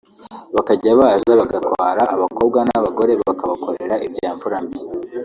bakajya baza bagatwara abakobwa hamwe n’abagore bakabakorera ibya mfura mbi